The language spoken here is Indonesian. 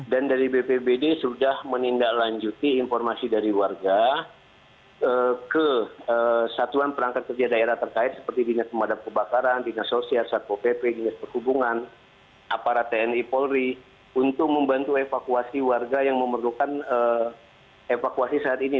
dan dari bpbd sudah menindaklanjuti informasi dari warga ke satuan perangkat kerja daerah terkait seperti dinas pemadam kebakaran dinas sosial satpo pp dinas perhubungan aparat tni polri untuk membantu evakuasi warga yang memerlukan evakuasi saat ini